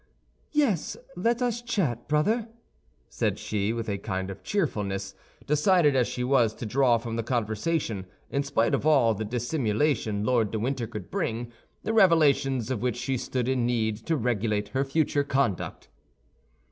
"Yes, let us chat, brother," said she, with a kind of cheerfulness, decided as she was to draw from the conversation, in spite of all the dissimulation Lord de Winter could bring, the revelations of which she stood in need to regulate her future conduct.